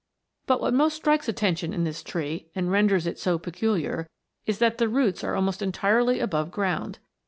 But what most strikes attention in this tree, and renders it so peculiar, is, that the roots are almost entirely above ground.